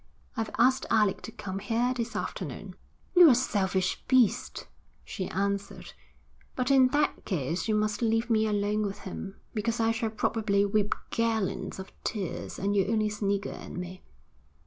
'I've asked Alec to come here this afternoon.' 'You're a selfish beast,' she answered. 'But in that case you must leave me alone with him, because I shall probably weep gallons of tears, and you'll only snigger at me.'